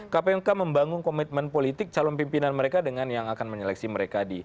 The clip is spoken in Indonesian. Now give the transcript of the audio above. kpk membangun komitmen politik calon pimpinan mereka dengan yang akan menyeleksi mereka